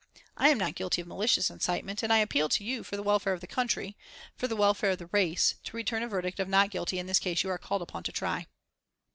I am not guilty of malicious incitement, and I appeal to you, for the welfare of the country, for the welfare of the race, to return a verdict of not guilty in this case that you are called upon to try."